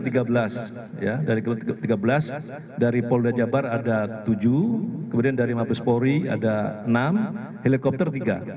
dari kepolisian ada tiga belas dari pol dajabar ada tujuh kemudian dari mapus polri ada enam helikopter tiga